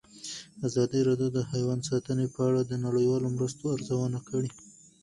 ازادي راډیو د حیوان ساتنه په اړه د نړیوالو مرستو ارزونه کړې.